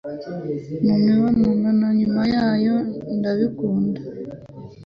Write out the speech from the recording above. u mu mibonano na nyuma yayo ndabikunda